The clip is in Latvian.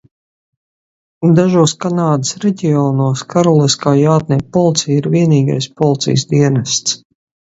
Dažos Kanādas reģionos Karaliskā jātnieku policija ir vienīgais policijas dienests.